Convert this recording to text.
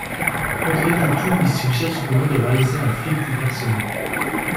Audrey Tautou lui suggère cependant de réaliser un film plus personnel.